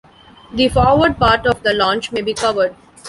The forward part of the launch may be covered.